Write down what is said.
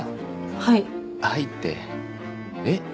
はい「はい」ってえっ？